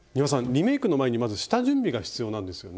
リメイクの前にまず下準備が必要なんですよね。